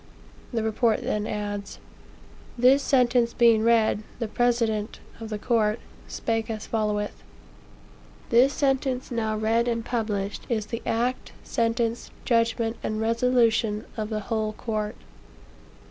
The report then adds: "This sentence being read, the president (of the court) spake as followeth: 'This sentence now read and published, is the act, sentence, judgment and resolution of the whole court.'